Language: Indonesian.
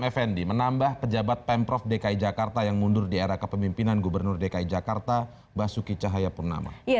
fnd menambah pejabat pemprov dki jakarta yang mundur di era kepemimpinan gubernur dki jakarta basuki cahayapurnama